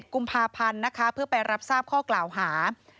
กุมภาพันธ์นะคะเพื่อไปรับทราบข้อกล่าวหา